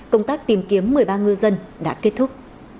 công tác tìm kiếm một mươi ba ngư dân đã kết thúc